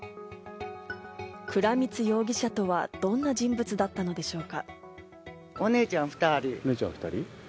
倉光容疑者とは、どんな人物だったのでしょうか？